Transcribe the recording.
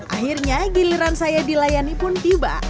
akhirnya giliran saya dilayani pun tiba